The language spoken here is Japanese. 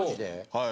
はい。